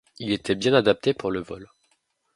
Il était bien adapté pour le vol.